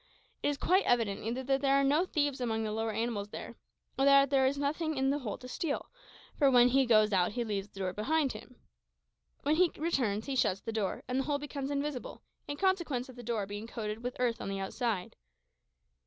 It is quite evident either that there are no thieves among the lower animals there, or that there is nothing in the hole to steal, for when he goes out he leaves the door open behind him. When he returns he shuts the door, and the hole becomes invisible, in consequence of the door being coated with earth on the outside.